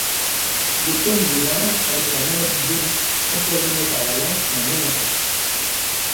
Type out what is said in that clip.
Le tome démarre avec la maladie d’Onyx, empoisonné par la lance d’un homme-insecte.